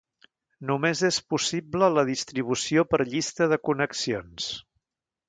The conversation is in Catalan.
Només és possible la distribució per llista de connexions.